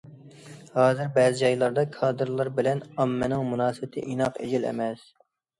ھازىر بەزى جايلاردا كادىرلار بىلەن ئاممىنىڭ مۇناسىۋىتى ئىناق- ئېجىل ئەمەس.